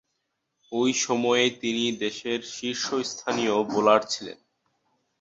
ঐ সময়ে তিনি দেশের শীর্ষস্থানীয় বোলার ছিলেন।